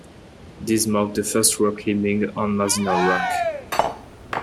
This marked the first rock climbing on Mazinaw Rock.